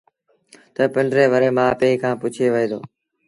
تا پنڊري مري مآ پي کآݩ پُڇي وهي دو